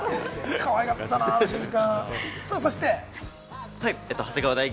かわいかったな、あの瞬間。